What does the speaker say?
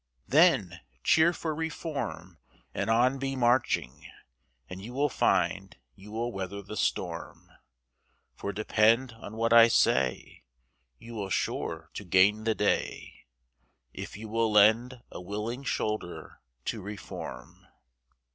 Then, cheer for Reform, and on be marching! And you will find you will weather the storm; For depend on what I say, you will sure to gain the day, If you will lend a willing shoulder to Reform.